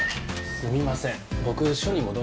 すみません